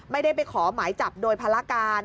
ไม่ได้ไปขอหมายจับโดยภารการ